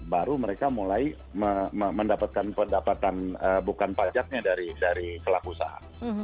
baru mereka mulai mendapatkan pendapatan bukan pajaknya dari pelaku usaha